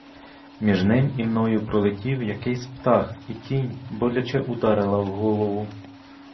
Між ним і мною пролетів якийсь птах і тінь боляче ударила в голову.